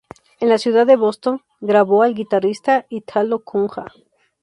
En la ciudad de Boston grabó al guitarrista Ítalo Cunha.